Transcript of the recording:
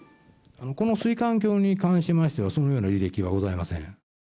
この水管橋に関しましては、そのような履歴はございません。